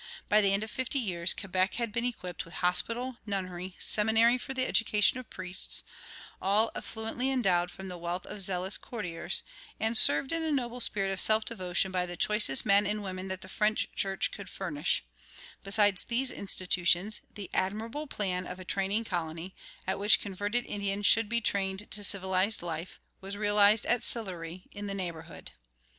By the end of fifty years Quebec had been equipped with hospital, nunnery, seminary for the education of priests, all affluently endowed from the wealth of zealous courtiers, and served in a noble spirit of self devotion by the choicest men and women that the French church could furnish; besides these institutions, the admirable plan of a training colony, at which converted Indians should be trained to civilized life, was realized at Sillery, in the neighborhood.